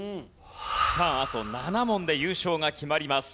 さああと７問で優勝が決まります。